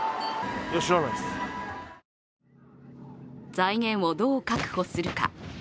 財源をどう確保するか。